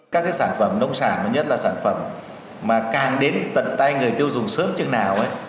các cái sản phẩm nông sản nhất là sản phẩm mà càng đến tận tay người tiêu dùng sớm chừng nào